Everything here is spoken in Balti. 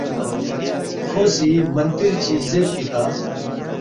کھو سی منتِر چی زیرفی کھہ